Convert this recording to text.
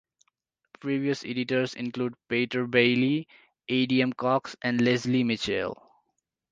Previous editors include Peter Bayley, A. D. M. Cox and Leslie Mitchell.